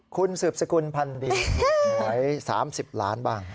คุณสืบสกุลพันธ์ดีหวย๓๐ล้านบ้าง